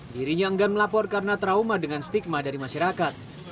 dirinya enggan melapor karena trauma dengan stigma dari masyarakat